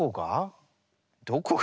どこが？